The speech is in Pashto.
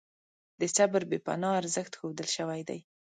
د صبر بې پناه ارزښت ښودل شوی دی.